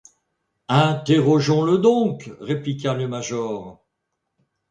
Interrogeons-le donc, » répliqua le major.